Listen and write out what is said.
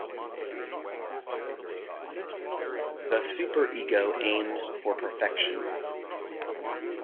The super-ego aims for perfection.